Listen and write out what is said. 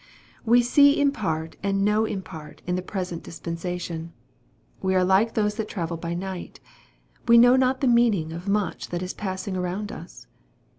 We see in part and know in part in the present dispensation. We are like those that travel by night. We know not the meaning of much that is passing around us.